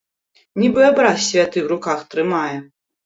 Нібы абраз святы ў руках трымае!